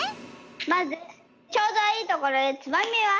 まずちょうどいいところでつまみます。